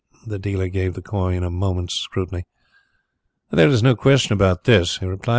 The dealer gave the coin a moment's scrutiny. "There is no question about this," he replied.